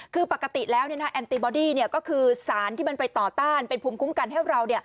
คือปกติแล้วแอนติบอดี้ก็คือสารที่มันไปต่อต้านเป็นภูมิคุ้มกันให้เรา